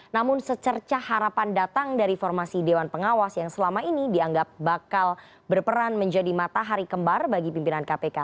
namun secerca harapan datang dari formasi dewan pengawas yang selama ini dianggap bakal berperan menjadi matahari kembar bagi pimpinan kpk